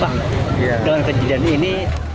pak dalam kejadian ini